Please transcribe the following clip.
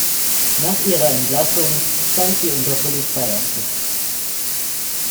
Nach ihrer Entlassung stand sie unter Polizeiaufsicht.